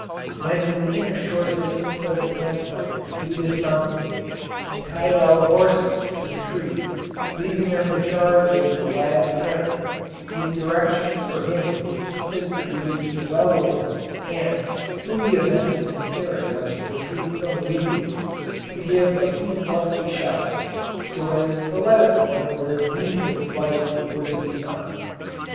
When within a short distance of the camp fires we dismounted, and tied our horses to some trees, leaving them in charge of the lad Horry, with directions for him to keep his ears well open, and, in the event of his hearing us retreat from the Indians, to give a few lusty shouts, so as to let us know where the means of flight were to be found.